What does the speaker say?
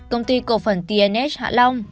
công ty cổ phần tnh hạ long